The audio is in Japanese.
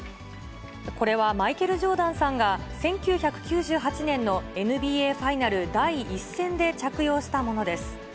これはマイケル・ジョーダンさんが、１９９８年のＮＢＡファイナル第１戦で着用したものです。